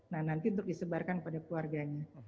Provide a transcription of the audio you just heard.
nah nanti untuk disebarkan kepada keluarganya